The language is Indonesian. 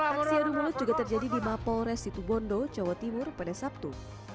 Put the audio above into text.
aksi adu mulut juga terjadi di mapol res situbondo jawa timur pada sabtu